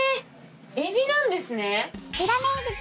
エビなんですね。